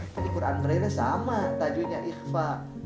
tapi quran braille sama tajunya ikhfa